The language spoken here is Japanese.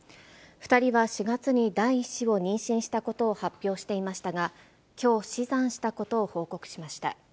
２人は４月に第１子を妊娠したことを発表していましたが、きょう、死産したことを報告しました。